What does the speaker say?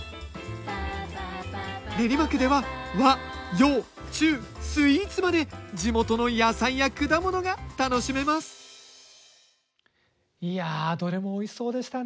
練馬区では和・洋・中スイーツまで地元の野菜や果物が楽しめますいやどれもおいしそうでしたね。